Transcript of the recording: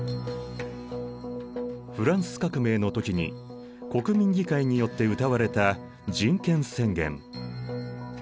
フランス革命の時に国民議会によってうたわれた人権宣言。